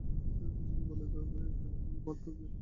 সে রুদ্ধশ্বাসে বলিল, এখানে তুমি পাট করবে?